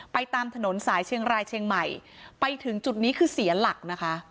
ตามถนนสายเชียงรายเชียงใหม่ไปถึงจุดนี้คือเสียหลักนะคะ